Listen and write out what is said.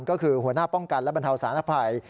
ก็คือหัวหน้าป้องกันและบรรเทาสารภัย